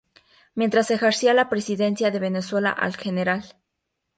Mientras ejercía la presidencia de Venezuela el Gral.